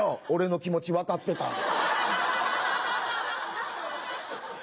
俺の気持ち分かってた。